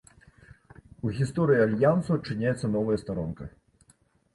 У гісторыі альянсу адчыняецца новая старонка.